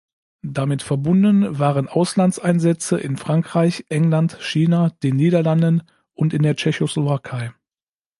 Damit verbunden waren Auslandseinsätze in Frankreich, England, China, den Niederlanden und in der Tschechoslowakei.